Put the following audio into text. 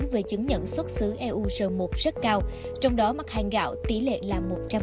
về chứng nhận xuất xứ eu một rất cao trong đó mặt hàng gạo tỷ lệ là một trăm linh